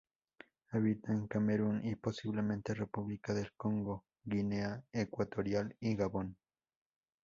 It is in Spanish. Habita en Camerún y, posiblemente, República del Congo, Guinea Ecuatorial y Gabón.